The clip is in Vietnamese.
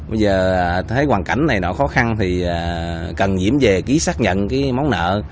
bây giờ thấy hoàn cảnh này nó khó khăn thì cần diễm về ký xác nhận cái món nợ